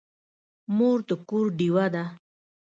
مور د کور ډېوه ده.